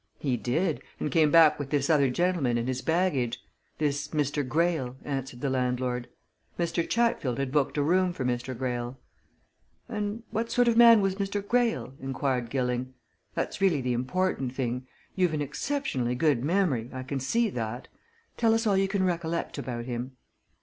"He did and came back with this other gentleman and his baggage this Mr. Greyle," answered the landlord. "Mr. Chatfield had booked a room for Mr. Greyle." "And what sort of man was Mr. Greyle?" inquired Gilling. "That's really the important thing. You've an exceptionally good memory I can see that. Tell us all you can recollect about him."